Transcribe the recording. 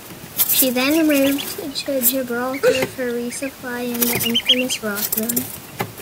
She then moved to Gibraltar for re-supply and the infamous Rock Run.